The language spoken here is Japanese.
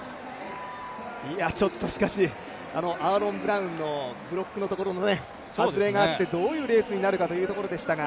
しかし、アーロン・ブラウンのブロックのところの外れがあってどういうレースになるかというところでしたが。